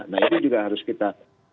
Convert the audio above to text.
nah itu juga harus kita